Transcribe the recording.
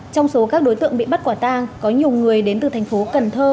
trong số các đối tượng bị bắt quả tang có nhiều người đến từ thành phố cần thơ